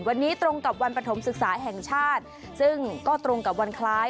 วันนี้ตรงกับวันปฐมศึกษาแห่งชาติซึ่งก็ตรงกับวันคล้าย